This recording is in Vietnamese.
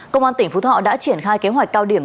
công an tỉnh phú thọ đã triển khai kế hoạch cao điểm